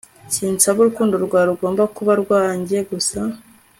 sinsaba, urukundo rwawe rugomba kuba rwanjye gusa